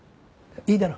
いいだろ？